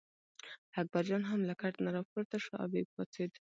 اکبرجان هم له کټ نه راپورته شو او یې پاڅېد.